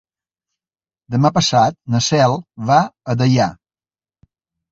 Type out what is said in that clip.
Demà passat na Cel va a Deià.